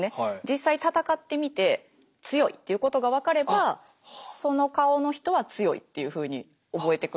実際戦ってみて強いということが分かればその顔の人は強いっていうふうに覚えてくれるんです。